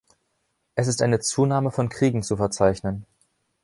Es ist eine Zunahme von Kriegen zu verzeichnen.